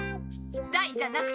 大じゃなくて。